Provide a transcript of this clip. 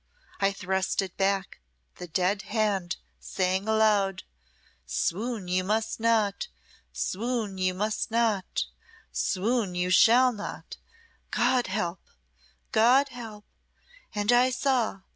I thrust it back the dead hand, saying aloud, 'Swoon you must not, swoon you must not, swoon you shall not God help! God help!' and I saw!